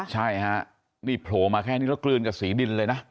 ใช่ฮะนี่โผล่มาแค่นี้แล้วกลืนกับสีดินเลยนะ